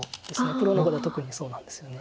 プロの碁だと特にそうなんですよね。